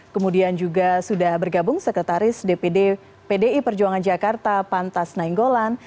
kemudian juga sudah bergabung sekretaris dpd pdi perjuangan jakarta pantas nainggolan